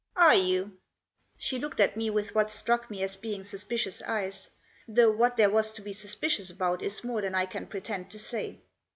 " Are you ?" She looked at me with what struck me as being suspicious eyes ; though what there was to be suspicious about is more than I can pretend to say.